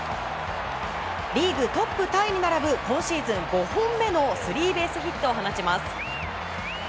リーグトップタイに並ぶ今シーズン５本目のスリーベースヒットを放ちます。